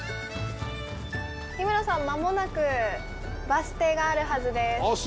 日村さん間もなくバス停があるはずです。